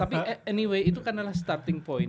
tapi anyway itu kan adalah starting point